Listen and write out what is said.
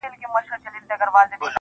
• زه د یویشتم قرن ښکلا ته مخامخ یم_